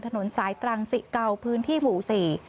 ถนนสายตรังสิเก่าพื้นที่หมู่สี่